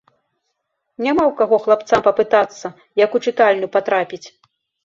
Няма ў каго хлапцам папытацца, як у чытальню патрапіць.